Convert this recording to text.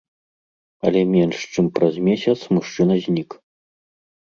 Але менш чым праз месяц мужчына знік.